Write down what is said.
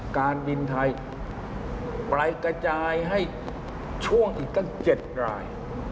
การบินไทยไปกระจายให้ช่วงอีกตั้ง๗ราย